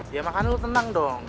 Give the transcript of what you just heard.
ya makanya tenang dong